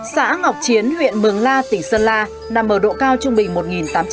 xã ngọc chiến huyện mường la tỉnh sơn la nằm ở độ cao trung bình một tám trăm linh